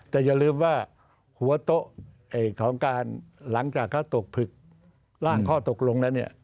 แต่อย่าลืมว่าหัวโต๊ะของการหลังจากเขาตกผลึกร่างข้อตกลงแล้วเนี่ย